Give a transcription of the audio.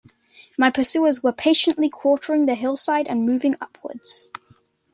My pursuers were patiently quartering the hillside and moving upwards.